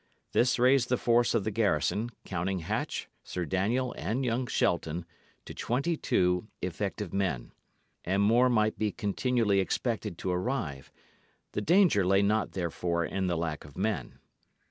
This raised the force of the garrison, counting Hatch, Sir Daniel, and young Shelton, to twenty two effective men. And more might be continually expected to arrive. The danger lay not therefore in the lack of men.